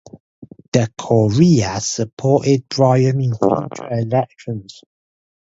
The "Courier" supported Bryan in future elections.